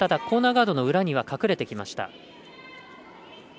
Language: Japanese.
コーナーガードの裏には隠れてきました。